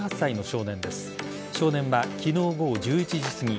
少年は昨日午後１１時すぎ